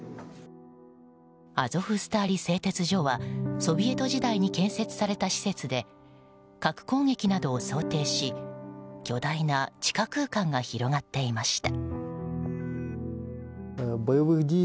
アゾフスターリ製鉄所はソビエト時代に建設された施設で核攻撃などを想定し巨大な地下空間が広がっていました。